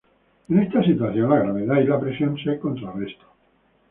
En esta situación, la gravedad y la presión se contrarrestan.